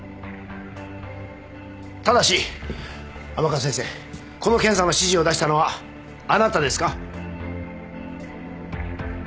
ただし甘春先生この検査の指示を出したのはあなたですか？